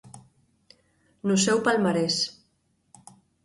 No seu palmarés.